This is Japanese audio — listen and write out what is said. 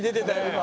今。